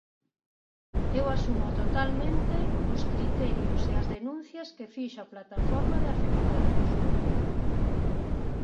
Eu asumo totalmente os criterios e as denuncias que fixo a plataforma de afectados.